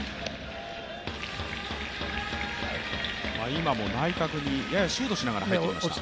今も内角にややシュートしながら入っていきました。